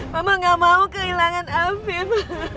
mama gak mau kehilangan abin